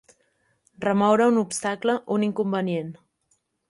Remoure un obstacle, un inconvenient.